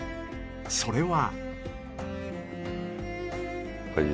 それは？